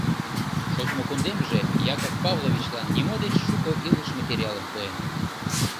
Шочмо кундемже Яков Павловичлан нимо деч шуко илыш материалым пуэн.